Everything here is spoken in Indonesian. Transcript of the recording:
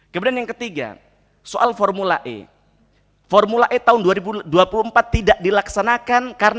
keenangan yang ke migranahnya jadi bayangan pak bnm